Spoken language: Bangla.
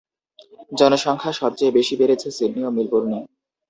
জনসংখ্যা সবচেয়ে বেশি বেড়েছে সিডনি ও মেলবোর্নে।